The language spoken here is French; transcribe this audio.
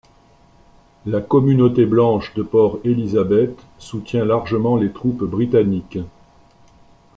La communauté blanche de Port Elizabeth soutient largement les troupes britanniques.